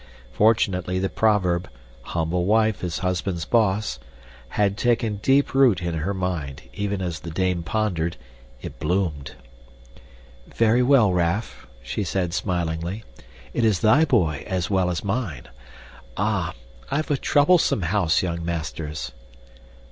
Fortunately the proverb "Humble wife is husband's boss" had taken deep root in her mind; even as the dame pondered, it bloomed. "Very well, Raff," she said smilingly, "it is thy boy as well as mine. Ah! I've a troublesome house, young masters."